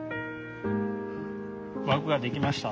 枠が出来ました。